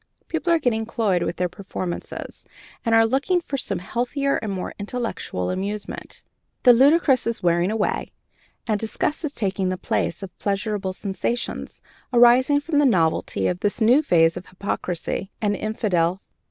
People are getting cloyed with these performances, and are looking for some healthier and more intellectual amusement. The ludicrous is wearing away, and disgust is taking the place of pleasurable sensations, arising from the novelty of this new phase of hypocrisy and infidel fanaticism.